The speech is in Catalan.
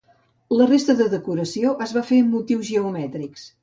La resta de la decoració es va fer amb motius geomètrics.